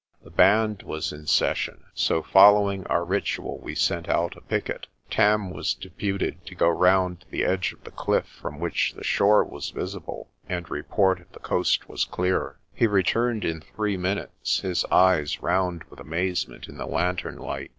The band was in session, so following our ritual we sent out a picket. Tam was deputed to go round the edge of the cliff from which the shore was visible, and report if the coast was clear. He returned in three minutes, his eyes round with amaze ment in the lantern light.